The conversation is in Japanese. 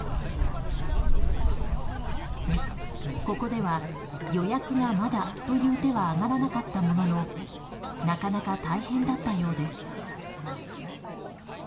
ここでは予約がまだという手は挙がらなかったもののなかなか大変だったようです。